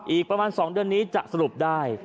อีกประมาณ๒เดือนนี้จะสรุปได้